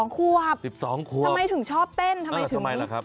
๑๒ครับ๑๒ครับทำไมถึงชอบเต้นทำไมถึงตนใจเออทำไมล่ะครับ